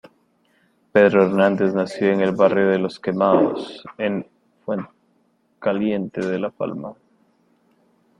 Pedro Hernández nació en el barrio de Los Quemados, en Fuencaliente de La Palma.